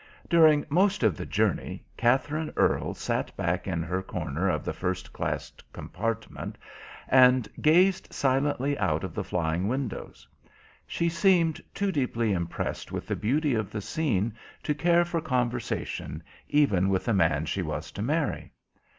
During most of the journey Katherine Earle sat back in her corner of the first class compartment, and gazed silently out of the flying windows. She seemed too deeply impressed with the beauty of the scene to care for conversation even with the man she was to marry.